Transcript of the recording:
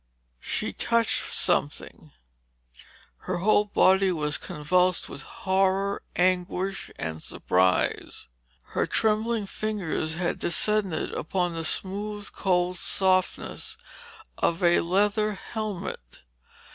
She touched something. Her whole body was convulsed with horror, anguish and surprise. Her trembling fingers had descended upon the smooth, cool softness of a leather helmet.